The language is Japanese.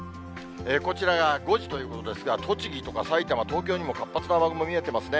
こちらが５時ということですが、栃木とか埼玉、東京にも活発な雨雲見えてますね。